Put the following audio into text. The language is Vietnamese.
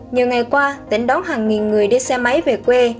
nhiều ngày qua tỉnh đón hàng nghìn người đi xe máy về quê